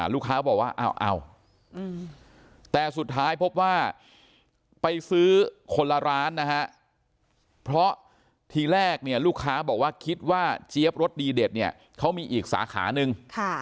ลูกค้าบอกว่าเอาแต่สุดท้ายพบว่าไปซื้อคนละร้านนะฮะเพราะทีแรกเนี่ยลูกค้าบอกว่าคิดว่าเจี๊ยบรสดีเด็ดเนี่ยเขามีอีกสาขานึง